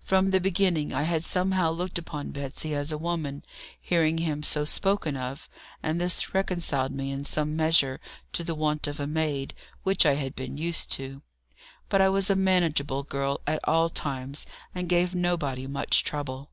From the beginning I had somehow looked upon Betsy as a woman, hearing him so spoken of, and this reconciled me in some measure to the want of a maid, which I had been used to. But I was a manageable girl at all times, and gave nobody much trouble.